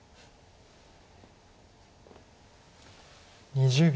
２０秒。